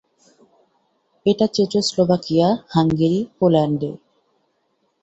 এটা Czechoslovakia, Hungary, পোল্যান্ডে।